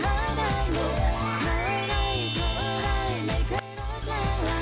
เข้าอะไรเข้าอะไรไม่เคยรักแหล่งหลัก